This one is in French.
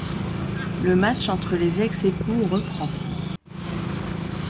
Le match entre les ex-époux reprend.